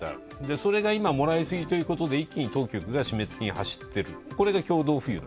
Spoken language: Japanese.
それが今もらいすぎということで一気に当局が締め付けに入ってる。